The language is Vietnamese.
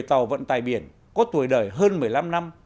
tàu vận tài biển có tuổi đời hơn một mươi năm năm